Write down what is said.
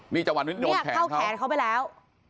เนี่ยเข้าแขนเขาไปแล้ว